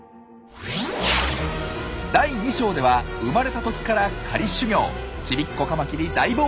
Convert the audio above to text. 第２章では生まれた時から狩り修業。